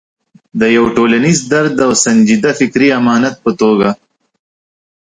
د یو ټولنیز درد او سنجیده فکري امانت په توګه.